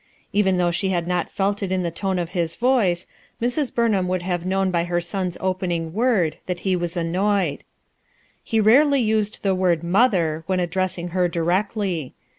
Even though she had not felt it in the tone of his voice, Mrs. Burnham would have known by her son's open ing word that he was annoyed. He rarely used the word "mother" when ad dressing her directly.